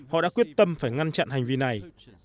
họ đã quyết tâm phải ngăn chặn hành vi này